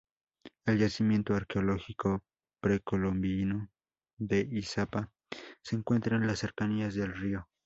El yacimiento arqueológico precolombino de Izapa se encuentra en las cercanías del río.